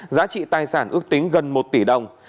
giá trị tài sản ước tính gần một tỷ đồng